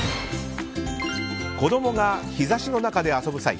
子供が日差しの中で遊ぶ際